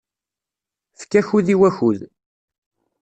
Efk akud i wakud